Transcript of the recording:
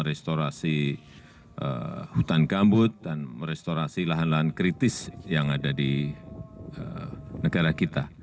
restorasi hutan gambut dan merestorasi lahan lahan kritis yang ada di negara kita